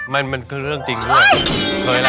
ไม่มันคือเรื่องจริงอื่นเวอร์เคยนะ